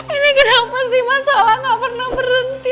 ini kenapa sih masalah nggak pernah berhenti